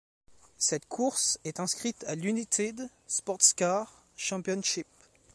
Cette course est inscrite à l'United SportsCar Championship.